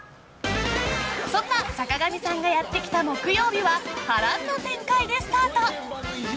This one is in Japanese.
そんな坂上さんがやってきた木曜日は波乱の展開でスタート。